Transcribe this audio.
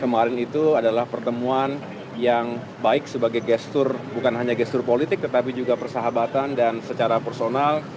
kemarin itu adalah pertemuan yang baik sebagai gestur bukan hanya gestur politik tetapi juga persahabatan dan secara personal